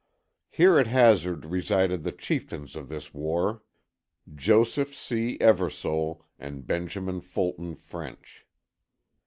Here at Hazard resided the chieftains of this war Joseph C. Eversole, and Benjamin Fulton French.